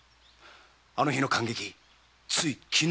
あの日の感激つい昨日のように。